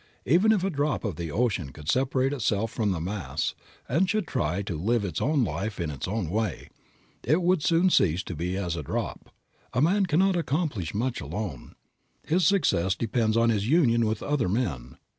Even if a drop of the ocean could separate itself from the mass and should try to live its own life in its own way it would soon cease to exist as a drop. A man cannot accomplish much alone. His success depends on his union with other men.